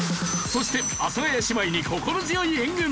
そして阿佐ヶ谷姉妹に心強い援軍！